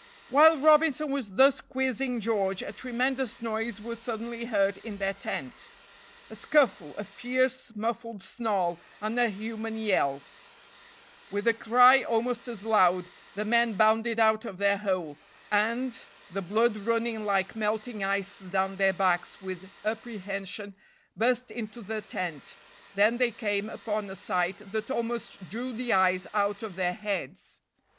While Robinson was thus quizzing George, a tremendous noise was suddenly heard in their tent. A scuffle a fierce, muffled snarl and a human yell; with a cry, almost as loud, the men bounded out of their hole, and, the blood running like melting ice down their backs with apprehension, burst into the tent; then they came upon a sight that almost drew the eyes out of their heads.